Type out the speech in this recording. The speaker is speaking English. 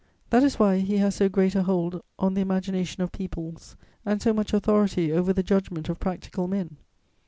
That is why he has so great a hold on the imagination of peoples and so much authority over the judgment of practical men.